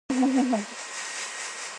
三溪水，洗袂清